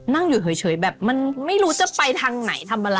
นั่งอยู่เฉยแบบมันไม่รู้จะไปทางไหนทำอะไร